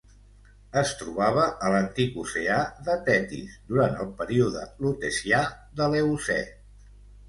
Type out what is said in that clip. Es trobava a l'antic oceà de Tetis durant el període Lutecià de l'Eocè.